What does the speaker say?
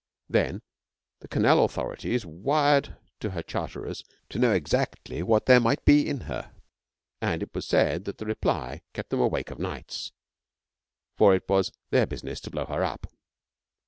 Then the Canal authorities wired to her charterers to know exactly what there might be in her; and it is said that the reply kept them awake of nights, for it was their business to blow her up.